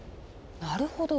なるほど。